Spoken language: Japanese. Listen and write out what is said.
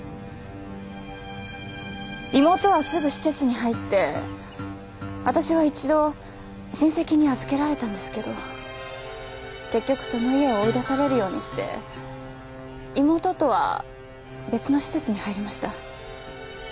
妹はすぐ施設に入ってわたしは一度親戚に預けられたんですけど結局その家を追い出されるようにして妹とは別の施設に入りました。